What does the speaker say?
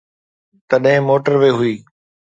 تڏهن موٽر وي هئي.